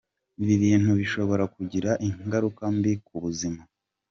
Ibi bintu bishobora kugira ingaruka mbi ku buzima